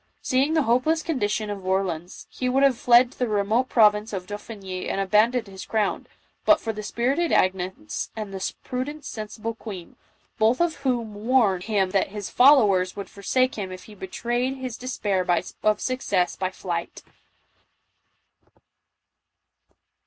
Seeing the hopeless condition of Orleans, he would have fled to the remote province of Dauphiny and abandoned his crown, but for the spirited Agnes and the prudent, sensible queen, both of whom warned JOAN OP ARC. 153 him that his followers would forsake him if he betray ed his despair of success by flight.